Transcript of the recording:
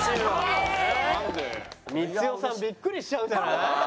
光代さんビックリしちゃうんじゃない？